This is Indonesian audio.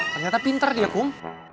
ternyata pinter dia kum